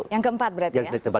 yang keempat berarti ya